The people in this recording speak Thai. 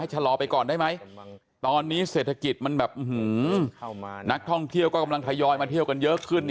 ชะลอไปก่อนได้ไหมตอนนี้เศรษฐกิจมันแบบนักท่องเที่ยวก็กำลังทยอยมาเที่ยวกันเยอะขึ้น